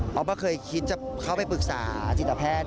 เขาก็เคยคิดจะเข้าไปปรึกษาจิตแพทย์